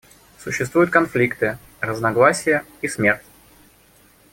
Существуют конфликты, разногласия и смерть.